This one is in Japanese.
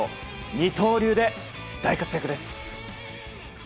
二刀流で大活躍です！